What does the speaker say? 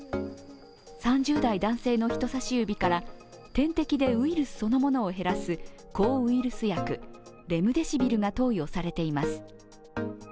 ３０代男性の人さし指から、点滴でウイルスそのものを減らす抗ウイルス薬、レムデシビルが投与されています。